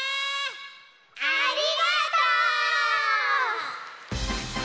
ありがとう！